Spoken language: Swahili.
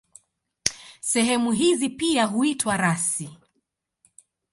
Sehemu hizi pia huitwa rasi.